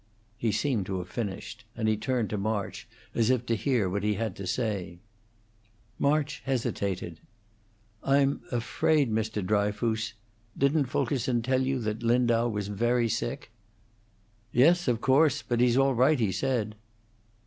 He seemed to have finished, and he turned to March as if to hear what he had to say. March hesitated. "I'm afraid, Mr. Dryfoos Didn't Fulkerson tell you that Lindau was very sick?" "Yes, of course. But he's all right, he said."